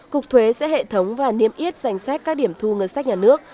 cục thuế sẽ hệ thống và niêm yết danh sách các điểm thu ngân sách nhà nước